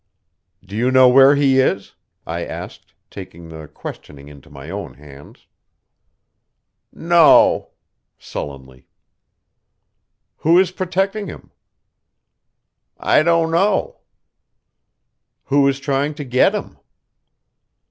"Do you know where he is?" I asked, taking the questioning into my own hands. "No," sullenly. "Who is protecting him?" "I don't know." "Who is trying to get him?"